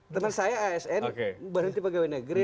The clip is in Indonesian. teman saya asn berhenti pegawai negeri